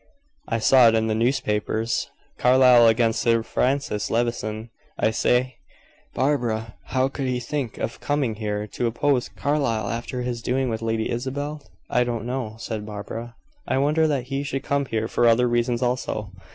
"I saw it in the newspapers. Carlyle against Sir Francis Levison. I say, Barbara, how could he think of coming here to oppose Carlyle after his doing with Lady Isabel?" "I don't know," said Barbara. "I wonder that he should come here for other reasons also.